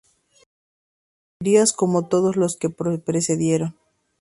Morirás como todos los que te precedieron.